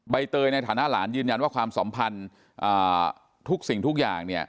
เตยในฐานะหลานยืนยันว่าความสัมพันธ์ทุกสิ่งทุกอย่างเนี่ย